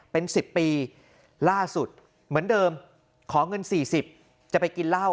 เป็น๑๐ปีล่าสุดเหมือนเดิมขอเงิน๔๐จะไปกินเหล้า